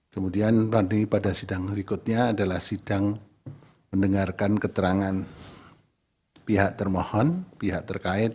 kemudian nanti pada sidang berikutnya adalah sidang mendengarkan keterangan pihak termohon pihak terkait